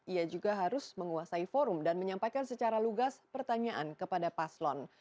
ia juga harus menguasai forum dan menyampaikan secara lugas pertanyaan kepada paslon